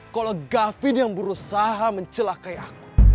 kalau gavin yang berusaha mencelakai aku